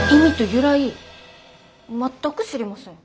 全く知りません。